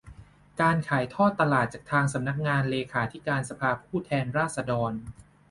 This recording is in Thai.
การขายทอดตลาดจากทางสำนักงานเลขาธิการสภาผู้แทนราษฎร